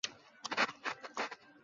আরে, চমৎকার, দোস্ত, চমৎকার।